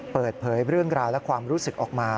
เปิดเผยเรื่องราวและความรู้สึกออกมา